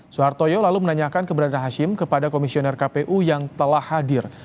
soehartoyo lalu menanyakan keberadaan hashim kepada komisioner kpu yang telah hadir